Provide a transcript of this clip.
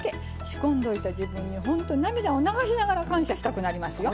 仕込んでおいた自分にほんと涙を流しながら感謝したくなりますよ。